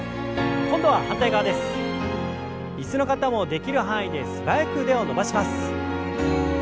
椅子の方もできる範囲で素早く腕を伸ばします。